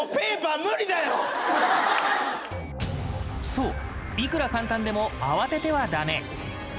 そういくら簡単でも慌てては駄目。